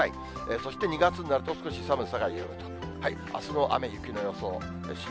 そして、２月になると、少し寒さ